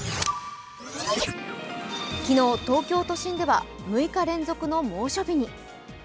昨日、東京都心では６日連続の猛暑日に。